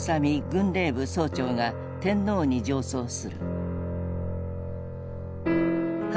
軍令部総長が天皇に上奏する。